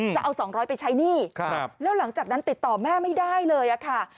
จะเอา๒๐๐ไปใช้หนี้แล้วหลังจากนั้นติดต่อแม่ไม่ได้เลยค่ะ